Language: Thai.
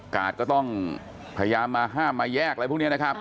กาดก็ต้องพยายามมาห้ามมาแยกอะไรพวกนี้นะครับ